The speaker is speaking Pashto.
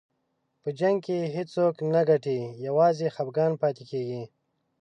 په جنګ کې هېڅوک نه ګټي، یوازې خفګان پاتې کېږي.